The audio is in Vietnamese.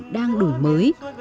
đang đổi mới